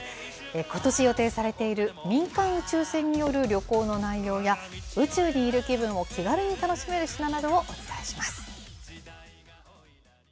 ことし予定されている民間宇宙船による旅行の内容や、宇宙にいる気分を気軽に楽しめる品などをお伝えします。